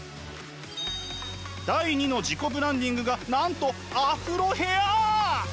第２の自己ブランディングがなんとアフロヘアー！